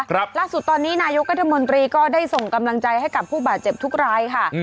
ล่าสุดตอนนี้นายกรัฐมนตรีก็ได้ส่งกำลังใจให้กับผู้บาดเจ็บทุกรายค่ะ